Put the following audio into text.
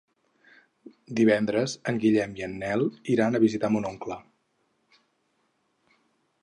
Divendres en Guillem i en Nel iran a visitar mon oncle.